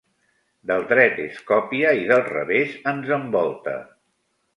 Del dret és còpia i del revés ens envolta.